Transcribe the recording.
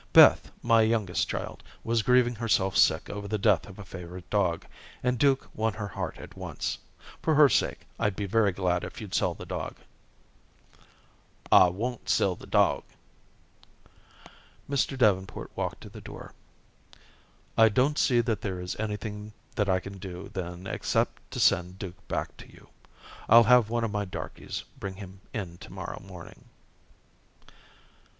Beth, my youngest child, was grieving herself sick over the death of a favorite dog, and Duke won her heart at once. For her sake, I'd be very glad if you'd sell the dog." "I won't sell the dog." Mr. Davenport walked to the door. "I don't see that there is anything that I can do then except to send Duke back to you. I'll have one of my darkies bring him in to morrow morning."